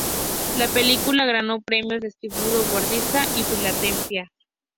La película ganó premios en Edimburgo, Bratislava y Filadelfia.